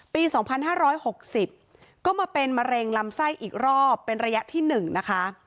ปี๒๕๖๐ก็มาเป็นมะเร็งลำไส้อีกรอบเป็นระยะที่๑นะคะ